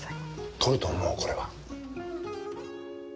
取ると思う、これは。